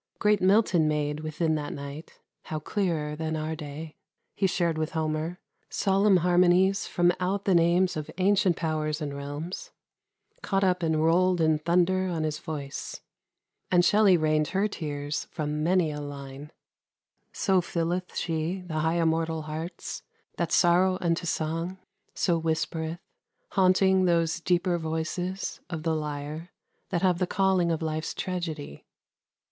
Great Milton made Within that night (how clearer than our day!) He shared with Homer, solemn harmonies From out the names of ancient powers and realms, MUSIC. Caught up and rolled in thunder on his voice. And Shelley rained her tears from many a line. So filleth she the high immortal hearts That sorrow unto song, so whispereth, Haunting those deeper voices of the Lyre That have the calling of Life's tragedy.